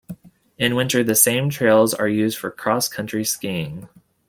In winter, the same trails are used for cross-country skiing.